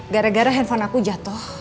gara gara handphone aku jatuh